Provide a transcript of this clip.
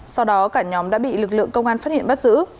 sau đó cả nhóm đã bị lực lượng công an phát hiện bắt giữ